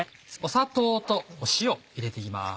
砂糖と塩入れていきます。